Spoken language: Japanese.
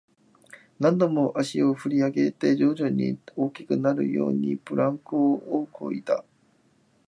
何度も足を振り上げて、徐々に大きくなるように、ブランコをこいだ